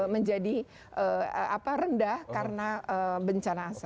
menjadi rendah karena bencana